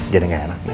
jadi gak enak nih